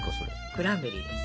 クランベリーです。